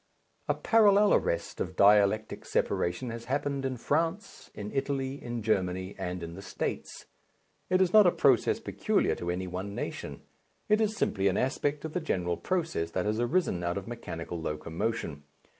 A parallel arrest of dialectic separation has happened in France, in Italy, in Germany, and in the States. It is not a process peculiar to any one nation. It is simply an aspect of the general process that has arisen out of mechanical locomotion.